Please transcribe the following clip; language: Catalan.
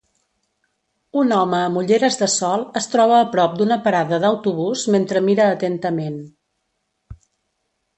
Un home amb ulleres de sol es troba a prop d'una parada d'autobús mentre mira atentament.